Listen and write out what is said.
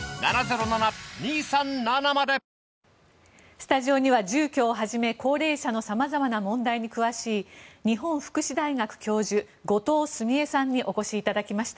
スタジオには住居をはじめ高齢者のさまざまな問題に詳しい日本福祉大学教授後藤澄江さんにお越しいただきました。